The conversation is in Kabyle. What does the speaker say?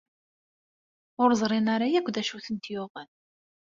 Ur ẓrin ara akk d acu i tent-yuɣen.